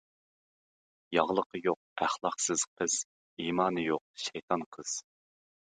ياغلىقى يوق ئەخلاقسىز قىز، ئىمانى يوق شەيتان قىز.